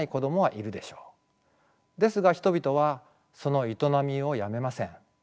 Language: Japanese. ですが人々はその営みをやめません。